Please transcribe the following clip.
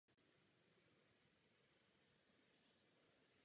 Severovýchodní část se nazývá Laponsko.